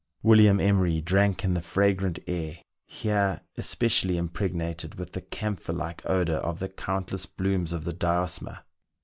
William Emery drank in the fragrant air, here especially impregnated with the camphor like odour of the countless blooms of the diosma.